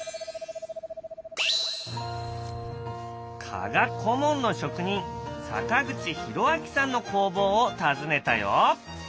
加賀小紋の職人坂口裕章さんの工房を訪ねたよ。